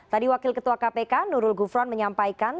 tadi wakil ketua kpk nurul gufron menyampaikan